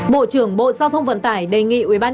bộ trưởng bộ giao thông vận tải đề nghị ubnd